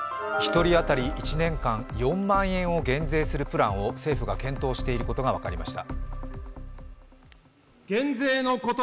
１人当たり１年間４万円を減税するプランを政府が検討していることが分かりました。